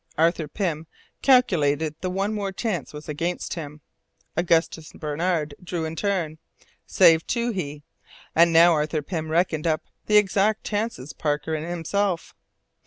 Arthur Pym calculated that one more chance was against him. Augustus Barnard drew in his turn. Saved, too, he! And now Arthur Pym reckoned up the exact chances between Parker and himself.